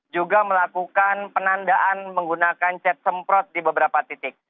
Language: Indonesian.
juga melakukan penandaan menggunakan cat semprot di beberapa titik